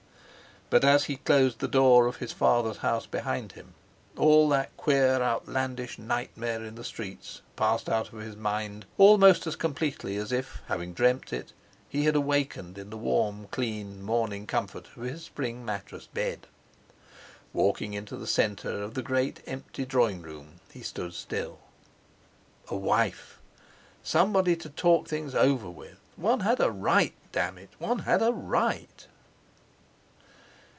But, as he closed the door of his father's house behind him, all that queer outlandish nightmare in the streets passed out of his mind almost as completely as if, having dreamed it, he had awakened in the warm clean morning comfort of his spring mattressed bed. Walking into the centre of the great empty drawing room, he stood still. A wife! Somebody to talk things over with. One had a right! Damn it! One had a right!